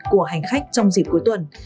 của hành khách trong dịp cuối tuần